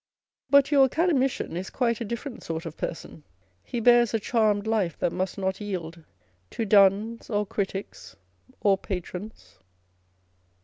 But your Academician is quite a different sort of person. He " bears a charmed life, that must not yield " to duns, or critics, or patrons.